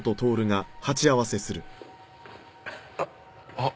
あっ。